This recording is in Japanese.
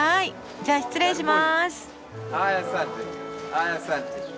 じゃあ失礼します。